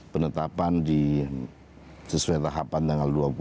penetapan sesuai tahapan tanggal dua puluh